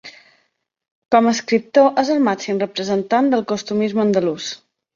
Com a escriptor és el màxim representant del costumisme andalús.